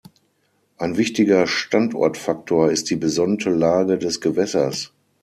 Ein wichtiger Standortfaktor ist die besonnte Lage des Gewässers.